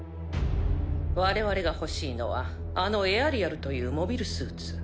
我々が欲しいのはあのエアリアルというモビルスーツ。